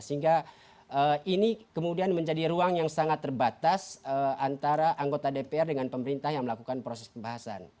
sehingga ini kemudian menjadi ruang yang sangat terbatas antara anggota dpr dengan pemerintah yang melakukan proses pembahasan